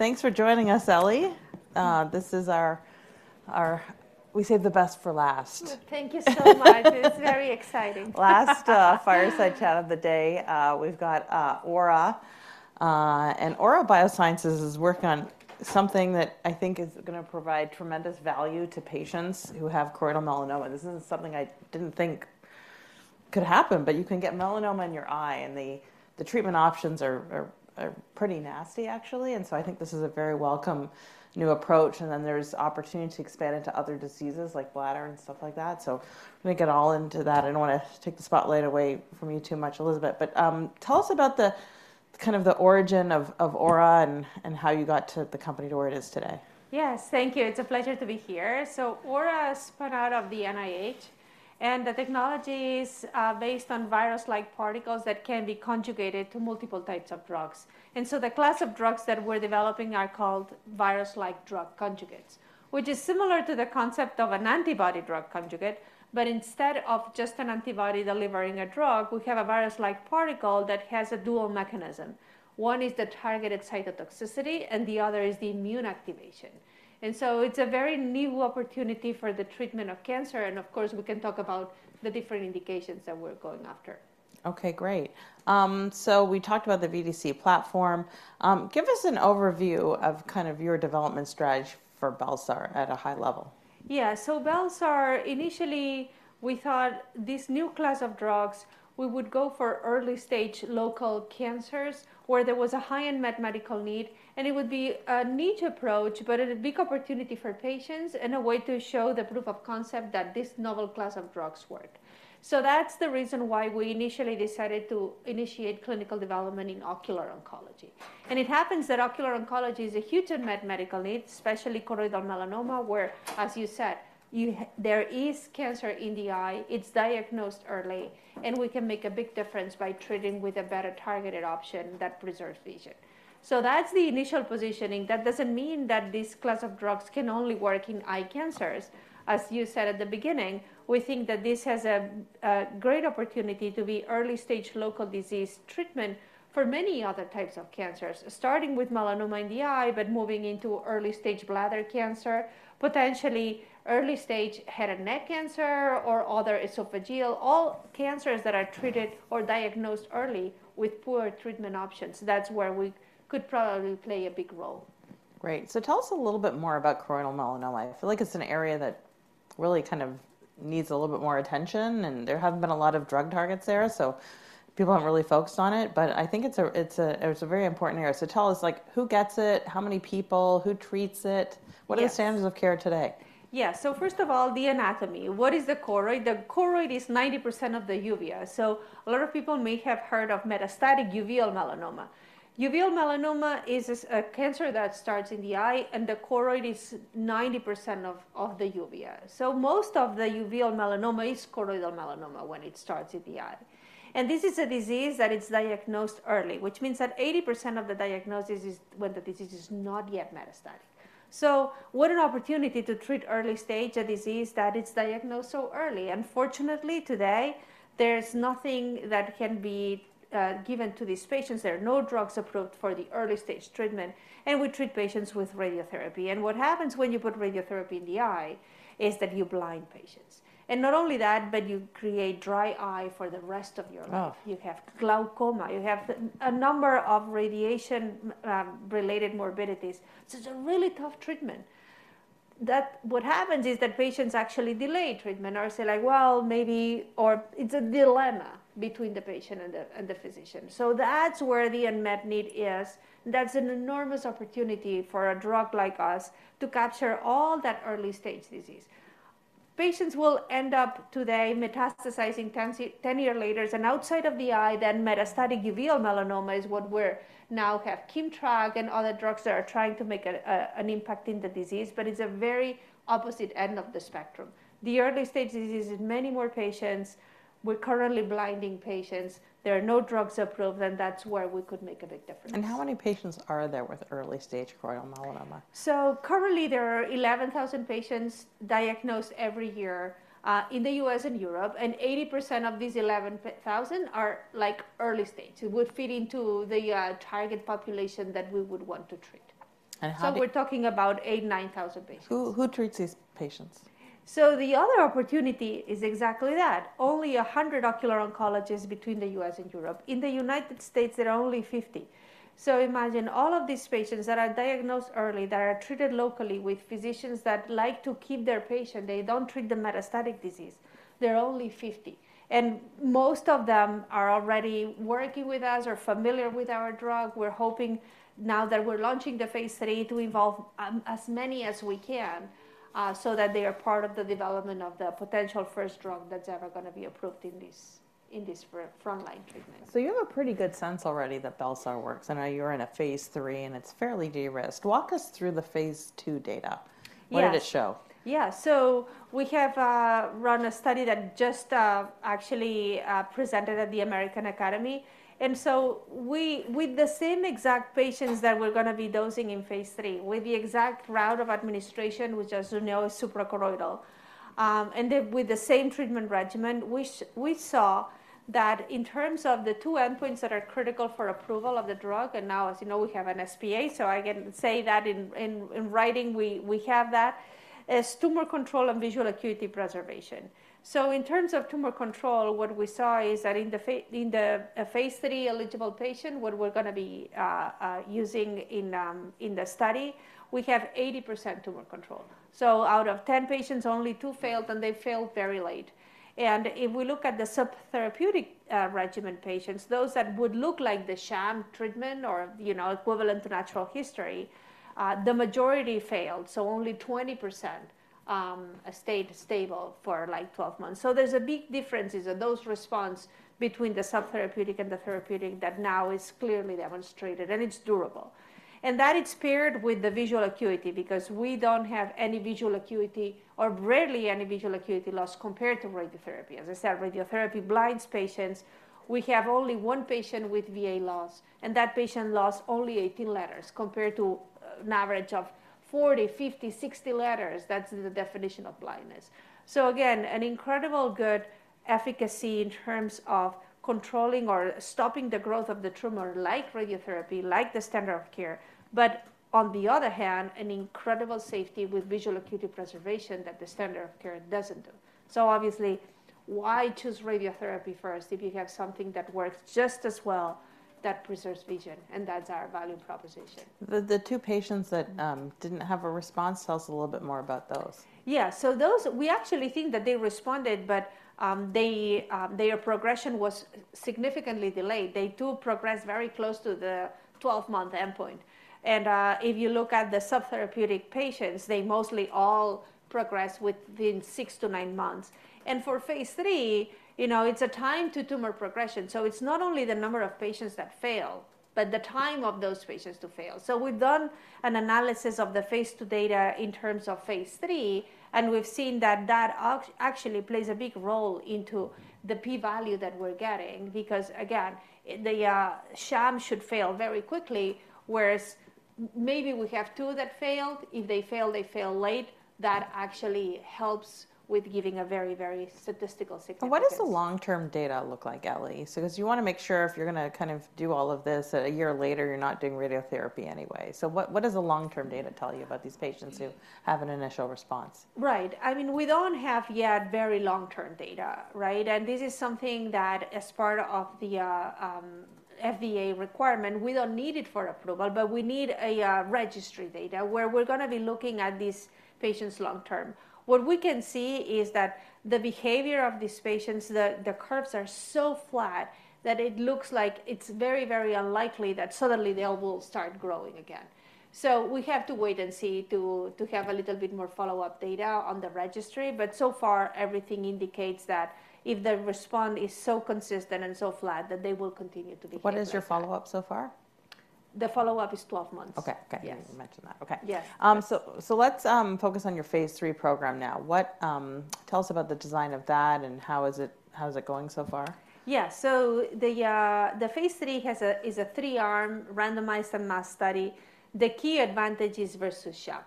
Thanks for joining us, Ellie. This is our. We saved the best for last. Thank you so much. It's very exciting. Last fireside chat of the day. We've got Aura, and Aura Biosciences is working on something that I think is gonna provide tremendous value to patients who have choroidal melanoma. This is something I didn't think could happen, but you can get melanoma in your eye, and the treatment options are pretty nasty, actually, and so I think this is a very welcome new approach. And then there's opportunity to expand into other diseases like bladder and stuff like that. So let me get all into that. I don't want to take the spotlight away from you too much, Elisabet, but tell us about the kind of the origin of Aura and how you got to the company to where it is today. Yes, thank you. It's a pleasure to be here. So Aura spun out of the NIH, and the technology is based on virus-like particles that can be conjugated to multiple types of drugs. And so the class of drugs that we're developing are called virus-like drug conjugates, which is similar to the concept of an antibody drug conjugate, but instead of just an antibody delivering a drug, we have a virus-like particle that has a dual mechanism. One is the targeted cytotoxicity, and the other is the immune activation, and so it's a very new opportunity for the treatment of cancer, and of course, we can talk about the different indications that we're going after. Okay, great. So we talked about the VDC platform. Give us an overview of kind of your development strategy for bel-sar at a high level. Yeah. So bel-sar, initially, we thought this new class of drugs, we would go for early-stage local cancers where there was a high unmet medical need, and it would be a niche approach, but at a big opportunity for patients and a way to show the proof of concept that this novel class of drugs work. So that's the reason why we initially decided to initiate clinical development in ocular oncology. And it happens that ocular oncology is a huge unmet medical need, especially choroidal melanoma, where, as you said, there is cancer in the eye, it's diagnosed early, and we can make a big difference by treating with a better-targeted option that preserves vision. So that's the initial positioning. That doesn't mean that this class of drugs can only work in eye cancers. As you said at the beginning, we think that this has a great opportunity to be early-stage local disease treatment for many other types of cancers, starting with melanoma in the eye, but moving into early-stage bladder cancer, potentially early-stage head and neck cancer or other esophageal. All cancers that are treated or diagnosed early with poor treatment options, that's where we could probably play a big role. Great. So tell us a little bit more about choroidal melanoma. I feel like it's an area that really kind of needs a little bit more attention, and there haven't been a lot of drug targets there, so people haven't really focused on it. But I think it's a very important area. So tell us, like, who gets it, how many people, who treats it? Yes. What are the standards of care today? Yeah. So first of all, the anatomy. What is the choroid? The choroid is 90% of the uvea, so a lot of people may have heard of metastatic uveal melanoma. Uveal melanoma is a cancer that starts in the eye, and the choroid is 90% of the uvea. So most of the uveal melanoma is choroidal melanoma when it starts in the eye. And this is a disease that it's diagnosed early, which means that 80% of the diagnosis is when the disease is not yet metastatic. So what an opportunity to treat early stage a disease that is diagnosed so early? Unfortunately, today, there's nothing that can be given to these patients. There are no drugs approved for the early-stage treatment, and we treat patients with radiotherapy. And what happens when you put radiotherapy in the eye is that you blind patients. Not only that, but you create dry eye for the rest of your life. Oh. You have glaucoma, you have a number of radiation-related morbidities. So it's a really tough treatment. What happens is that patients actually delay treatment or say like: Well, maybe... Or it's a dilemma between the patient and the physician. So that's where the unmet need is. That's an enormous opportunity for a drug like us to capture all that early-stage disease. Patients will end up today metastasizing 10 years later and outside of the eye, then metastatic uveal melanoma is what we're now have Keytruda and other drugs that are trying to make an impact in the disease, but it's a very opposite end of the spectrum. The early-stage disease is many more patients. We're currently blinding patients. There are no drugs approved, and that's where we could make a big difference. How many patients are there with early-stage choroidal melanoma? Currently, there are 11,000 patients diagnosed every year in the U.S. and Europe, and 80% of these 11,000 are, like, early stage, would fit into the target population that we would want to treat. How many- We're talking about 8,000-9,000 patients. Who treats these patients? So the other opportunity is exactly that. Only 100 ocular oncologists between the U.S. and Europe. In the United States, there are only 50. So imagine all of these patients that are diagnosed early, that are treated locally with physicians that like to keep their patient, they don't treat the metastatic disease. There are only 50, and most of them are already working with us or familiar with our drug. We're hoping now that we're launching the phase 3 to involve as many as we can so that they are part of the development of the potential first drug that's ever gonna be approved in this, in this front, frontline treatment. So you have a pretty good sense already that bel-sar works. I know you're in a phase 3, and it's fairly de-risked. Walk us through the phase 2 data. Yeah. What did it show? Yeah. So we have run a study that just actually presented at the American Academy. And so we, with the same exact patients that we're gonna be dosing in phase III, with the exact route of administration, which, as you know, is suprachoroidal, and then with the same treatment regimen, we saw that in terms of the two endpoints that are critical for approval of the drug, and now, as you know, we have an SPA, so I can say that in writing, we have that is tumor control and visual acuity preservation. So in terms of tumor control, what we saw is that in the phase III eligible patient, what we're gonna be using in the study, we have 80% tumor control. So out of 10 patients, only 2 failed, and they failed very late. If we look at the subtherapeutic regimen patients, those that would look like the sham treatment or, you know, equivalent to natural history, the majority failed, so only 20% stayed stable for, like, 12 months. So there's a big differences in those response between the subtherapeutic and the therapeutic that now is clearly demonstrated, and it's durable. That it's paired with the visual acuity, because we don't have any visual acuity or rarely any visual acuity loss compared to radiotherapy. As I said, radiotherapy blinds patients. We have only 1 patient with VA loss, and that patient lost only 18 letters, compared to an average of 40, 50, 60 letters. That's the definition of blindness. So again, an incredible good efficacy in terms of controlling or stopping the growth of the tumor, like radiotherapy, like the standard of care, but on the other hand, an incredible safety with visual acuity preservation that the standard of care doesn't do. So obviously, why choose radiotherapy first if you have something that works just as well that preserves vision? And that's our value proposition. The two patients that didn't have a response, tell us a little bit more about those? Yeah, so those, we actually think that they responded, but, their progression was significantly delayed. They do progress very close to the 12-month endpoint. If you look at the subtherapeutic patients, they mostly all progress within 6-9 months. For phase 3, you know, it's a time to tumor progression, so it's not only the number of patients that fail, but the time of those patients to fail. So we've done an analysis of the phase 2 data in terms of phase 3, and we've seen that that actually plays a big role into the p-value that we're getting because, again, the sham should fail very quickly, whereas maybe we have 2 that failed. If they fail, they fail late. That actually helps with giving a very, very statistical significance. So what does the long-term data look like, Ellie? So 'cause you wanna make sure if you're gonna kind of do all of this, a year later, you're not doing radiotherapy anyway. So what, what does the long-term data tell you about these patients who have an initial response? Right. I mean, we don't have yet very long-term data, right? This is something that, as part of the FDA requirement, we don't need it for approval, but we need a registry data, where we're gonna be looking at these patients long term. What we can see is that the behavior of these patients, the curves are so flat that it looks like it's very, very unlikely that suddenly they all will start growing again. So we have to wait and see to have a little bit more follow-up data on the registry, but so far, everything indicates that if the response is so consistent and so flat, that they will continue to behave like that. What is your follow-up so far? The follow-up is 12 months. Okay, okay. Yes. You mentioned that. Okay. Yes. So let's focus on your Phase III program now. Tell us about the design of that and how is it going so far? Yeah, so the Phase III is a three-arm randomized and masked study. The key advantage is versus sham,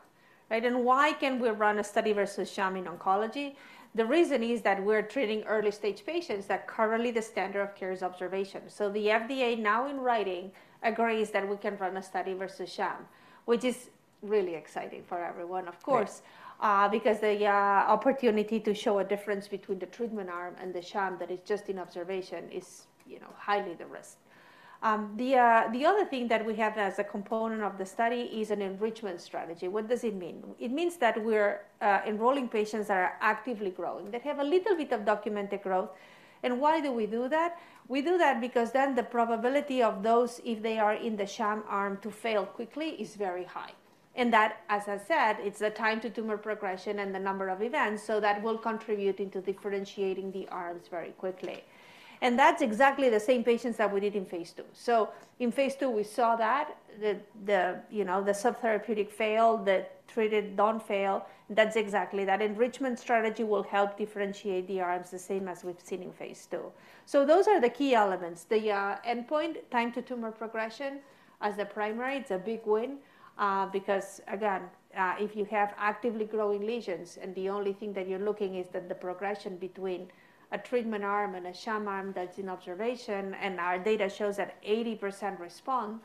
right? And why can we run a study versus sham in oncology? The reason is that we're treating early-stage patients that currently the standard of care is observation. So the FDA now in writing agrees that we can run a study versus sham, which is really exciting for everyone, of course- Right... because the opportunity to show a difference between the treatment arm and the sham that is just in observation is, you know, highly the risk. The other thing that we have as a component of the study is an enrichment strategy. What does it mean? It means that we're enrolling patients that are actively growing, that have a little bit of documented growth. And why do we do that? We do that because then the probability of those, if they are in the sham arm, to fail quickly is very high. And that, as I said, it's the time to tumor progression and the number of events, so that will contribute into differentiating the arms very quickly. And that's exactly the same patients that we did in phase II. So in phase II, we saw that you know, the subtherapeutic failed, the treated don't fail. That's exactly. That enrichment strategy will help differentiate the arms the same as we've seen in phase II. So those are the key elements. The endpoint, time to tumor progression as a primary, it's a big win, because again, if you have actively growing lesions, and the only thing that you're looking is that the progression between a treatment arm and a sham arm that's in observation, and our data shows that 80% respond,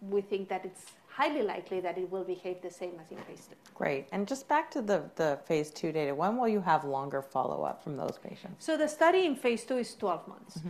we think that it's highly likely that it will behave the same as in phase II. Great. And just back to the phase II data, when will you have longer follow-up from those patients? The study in phase II is 12 months.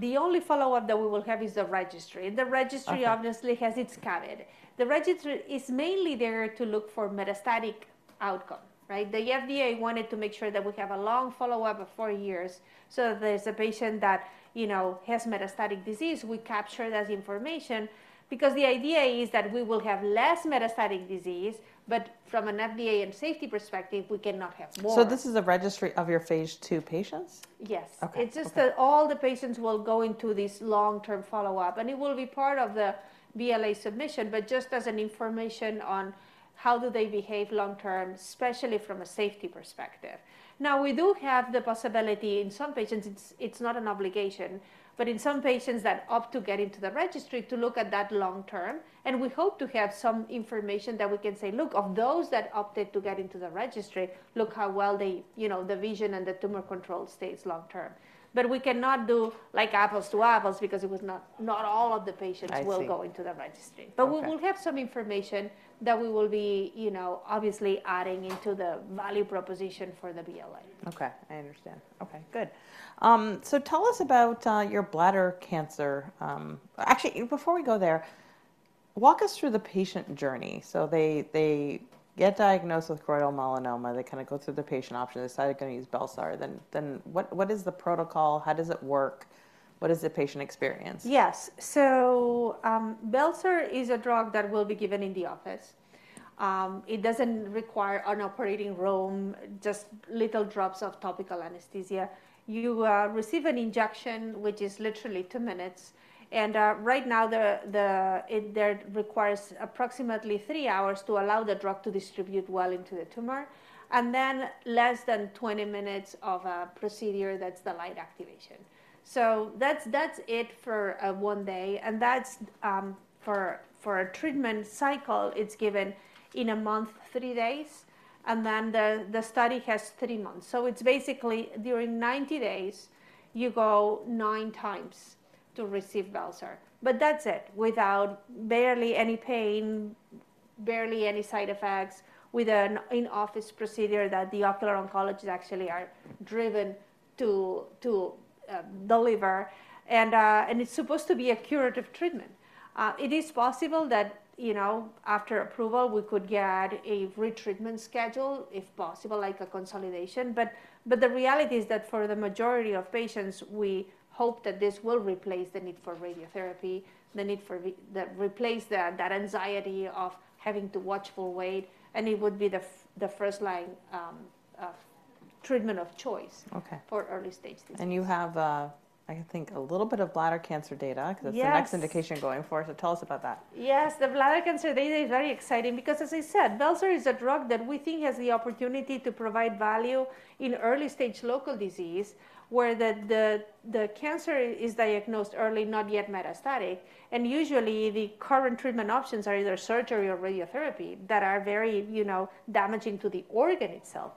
The only follow-up that we will have is the registry. Okay. The registry obviously has its caveat. The registry is mainly there to look for metastatic outcome, right? The FDA wanted to make sure that we have a long follow-up of four years, so if there's a patient that, you know, has metastatic disease, we capture that information, because the idea is that we will have less metastatic disease, but from an FDA and safety perspective, we cannot have more. This is a registry of your Phase II patients? Yes. Okay. Okay. It's just that all the patients will go into this long-term follow-up, and it will be part of the BLA submission, but just as information on how they behave long-term, especially from a safety perspective. Now, we do have the possibility in some patients; it's not an obligation, but in some patients that opt to get into the registry to look at that long term, and we hope to have some information that we can say, "Look, of those that opted to get into the registry, look how well they, you know, the vision and the tumor control stays long term." But we cannot do like apples to apples because it was not all of the patients- I see. will go into the registry. Okay. But we will have some information that we will be, you know, obviously adding into the value proposition for the BLA. Okay, I understand. Okay, good. So tell us about your bladder cancer. Actually, before we go there, walk us through the patient journey. So they, they get diagnosed with choroidal melanoma. They kind of go through the patient options, decide they're going to use bel-sar. Then, then what, what is the protocol? How does it work? What is the patient experience? Yes. So, bel-sar is a drug that will be given in the office. It doesn't require an operating room, just little drops of topical anesthesia. You receive an injection, which is literally 2 minutes, and right now, it requires approximately 3 hours to allow the drug to distribute well into the tumor, and then less than 20 minutes of a procedure, that's the light activation. So that's it for one day, and that's for a treatment cycle, it's given in a month, 3 days, and then the study has 3 months. So it's basically during 90 days, you go 9 times to receive bel-sar. But that's it. Without barely any pain, barely any side effects, with an in-office procedure that the ocular oncologists actually are driven to deliver, and it's supposed to be a curative treatment. It is possible that, you know, after approval, we could get a retreatment schedule, if possible, like a consolidation. But the reality is that for the majority of patients, we hope that this will replace the need for radiotherapy, the need for v- that replace that, that anxiety of having to watch for weight, and it would be the first line of treatment of choice- Okay... for early stage disease. You have, I think, a little bit of bladder cancer data- Yes. -because that's the next indication going forward. So tell us about that. Yes, the bladder cancer data is very exciting because, as I said, bel-sar is a drug that we think has the opportunity to provide value in early-stage local disease, where the cancer is diagnosed early, not yet metastatic. And usually, the current treatment options are either surgery or radiotherapy that are very, you know, damaging to the organ itself.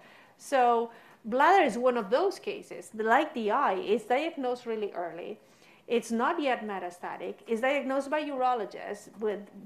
So bladder is one of those cases. Like the eye, it's diagnosed really early, it's not yet metastatic, it's diagnosed by urologists,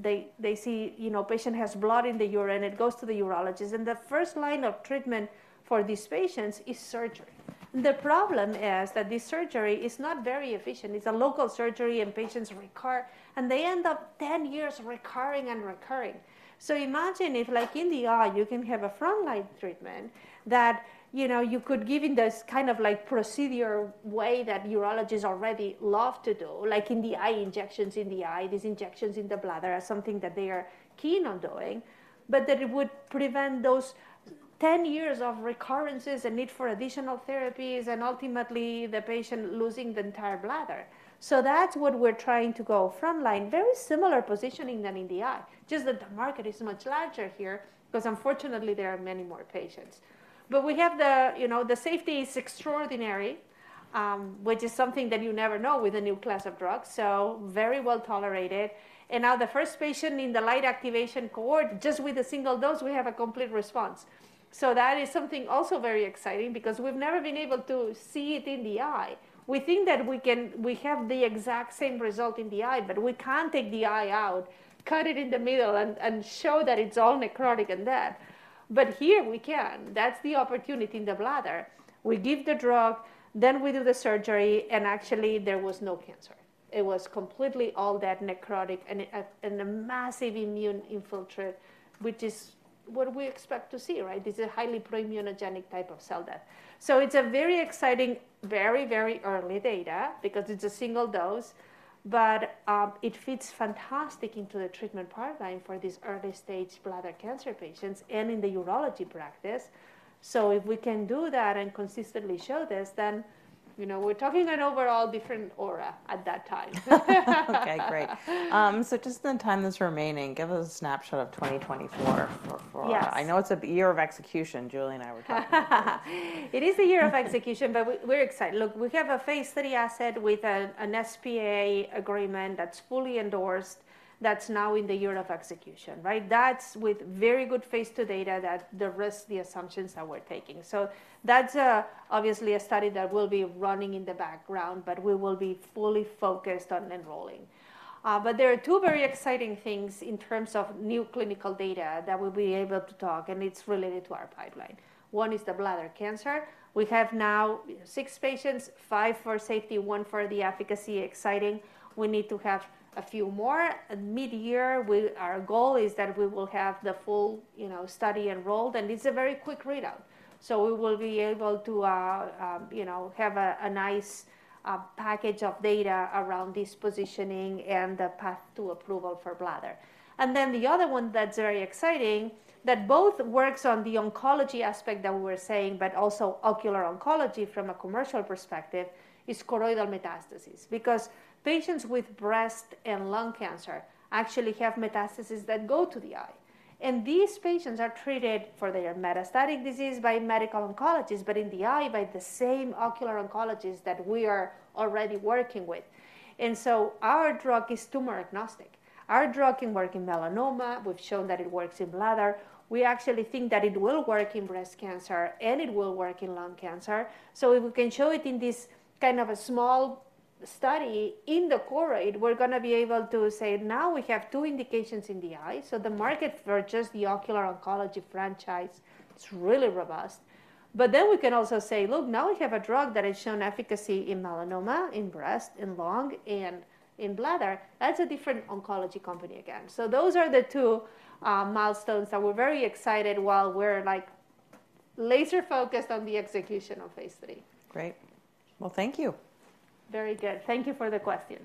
they see, you know, patient has blood in the urine, it goes to the urologist, and the first line of treatment for these patients is surgery. The problem is that this surgery is not very efficient. It's a local surgery, and patients recur, and they end up ten years recurring and recurring. So imagine if, like in the eye, you can have a frontline treatment that, you know, you could give in this kind of like procedure way that urologists already love to do, like in the eye, injections in the eye, these injections in the bladder are something that they are keen on doing, but that it would prevent those 10 years of recurrences and need for additional therapies, and ultimately, the patient losing the entire bladder. So that's what we're trying to go frontline. Very similar positioning than in the eye, just that the market is much larger here because, unfortunately, there are many more patients. But we have the, you know, the safety is extraordinary, which is something that you never know with a new class of drugs, so very well tolerated. Now the first patient in the light activation cohort, just with a single dose, we have a complete response. That is something also very exciting because we've never been able to see it in the eye. We have the exact same result in the eye, but we can't take the eye out, cut it in the middle, and show that it's all necrotic and dead. But here, we can. That's the opportunity in the bladder. We give the drug, then we do the surgery, and actually, there was no cancer. It was completely all that necrotic and a massive immune infiltrate, which is what we expect to see, right? This is a highly proimmunogenic type of cell death. So it's a very exciting, very, very early data because it's a single dose, but, it fits fantastic into the treatment pipeline for these early-stage bladder cancer patients and in the urology practice. So if we can do that and consistently show this, then, you know, we're talking an overall different aura at that time. Okay, great. So just in the time that's remaining, give us a snapshot of 2024 for, for- Yes. I know it's a year of execution, Julie and I were talking about. It is a year of execution, but we, we're excited. Look, we have a phase III asset with an SPA agreement that's fully endorsed, that's now in the year of execution, right? That's with very good phase II data that the risk, the assumptions that we're taking. So that's obviously a study that will be running in the background, but we will be fully focused on enrolling. But there are two very exciting things in terms of new clinical data that we'll be able to talk, and it's related to our pipeline. One is the bladder cancer. We have now six patients, five for safety, one for the efficacy. Exciting. We need to have a few more. Mid-year, our goal is that we will have the full, you know, study enrolled, and it's a very quick readout. So we will be able to, you know, have a nice package of data around this positioning and the path to approval for bladder. And then the other one that's very exciting, that both works on the oncology aspect that we were saying, but also ocular oncology from a commercial perspective, is choroidal metastasis, because patients with breast and lung cancer actually have metastasis that go to the eye. And these patients are treated for their metastatic disease by medical oncologists, but in the eye, by the same ocular oncologists that we are already working with. And so our drug is tumor agnostic. Our drug can work in melanoma. We've shown that it works in bladder. We actually think that it will work in breast cancer, and it will work in lung cancer. So if we can show it in this kind of a small study in the choroid, we're gonna be able to say, "Now we have two indications in the eye." So the market for just the ocular oncology franchise, it's really robust. But then we can also say, "Look, now we have a drug that has shown efficacy in melanoma, in breast, in lung, and in bladder." That's a different oncology company again. So those are the two milestones that we're very excited while we're, like, laser-focused on the execution of phase 3. Great. Well, thank you. Very good. Thank you for the questions.